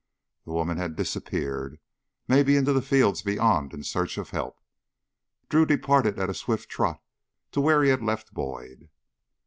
The woman had disappeared, maybe into the fields beyond in search of help. Drew departed at a swift trot to where he had left Boyd.